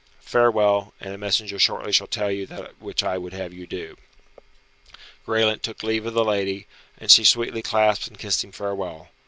Farewell, and a messenger shortly shall tell you that which I would have you do." Graelent took leave of the lady, and she sweetly clasped and kissed him farewell.